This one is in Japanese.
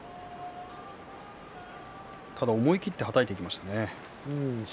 思い切ってはたいていきました。